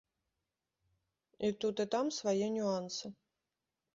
І тут, і там свае нюансы.